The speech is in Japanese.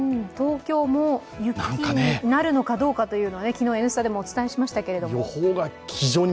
東京も雪になるのかどうかというのを昨日、「Ｎスタ」でもお伝えしましたけど。